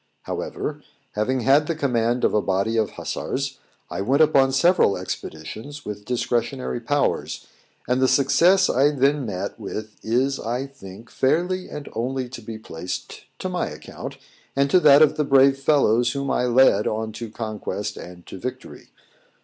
However, having had the command of a body of hussars, I went upon several expeditions, with discretionary powers; and the success I then met with is, I think, fairly and only to be placed to my account, and to that of the brave fellows whom I led on to conquest and to victory.